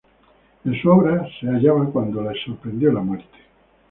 En su obra se hallaba cuando le sorprendió la muerte.